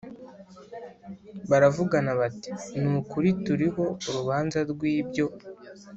Baravugana bati Ni ukuri turiho urubanza rw ibyo